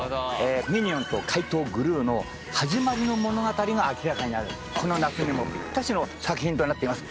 ミニオンと怪盗グルーの始まりの物語が明らかになるこの夏にもぴったしの作品となっています。